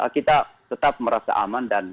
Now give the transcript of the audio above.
kita tetap merasa aman dan